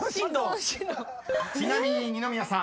［ちなみに二宮さん